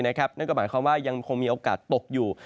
นั่นก็หมายความว่ายังคงมีโอกาสตกอยู่